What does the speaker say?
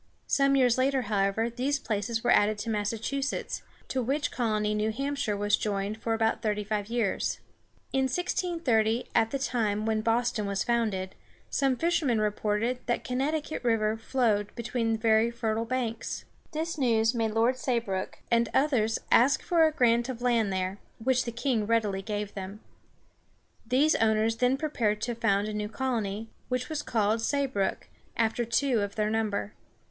Some years later, however, these places were added to Massachusetts, to which colony New Hampshire was joined for about thirty five years. In 1630, at the time when Boston was founded, some fishermen reported that the Con nect´i cut River flowed between very fertile banks. This news made Lords Say, Brooke, and others ask for a grant of land there, which the king readily gave them. These owners then prepared to found a new colony, which was called Say´brook, after two of their number.